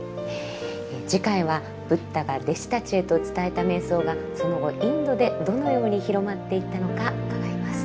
次回はブッダが弟子たちへと伝えた瞑想がその後インドでどのように広まっていったのか伺います。